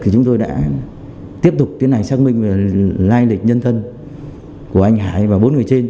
chúng tôi đã tiếp tục tiến hành xác minh và lai lịch nhân thân của anh hải và bốn người trên